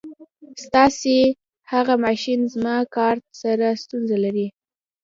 ستاسې هغه ماشین زما کارټ سره ستونزه لري.